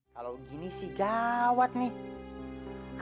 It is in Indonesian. kalau gini sih gawat nih